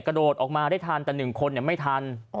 กระโดดออกมาได้ทันแต่หนึ่งคนเนี่ยไม่ทันโอ้